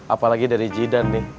apalagi dari jidan nih